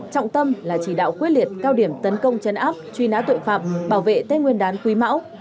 trọng tâm là chỉ đạo quyết liệt cao điểm tấn công chấn áp truy nã tội phạm bảo vệ tết nguyên đán quý mão